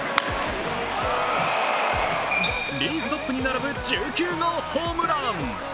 リーグトップに並ぶ１９号ホームラン。